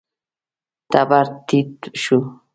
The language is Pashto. تبر ټيټ شو.